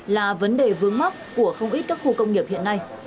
là vấn đề vướng mắc của không ít các khu công nghiệp hiện nay